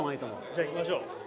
じゃあ行きましょう。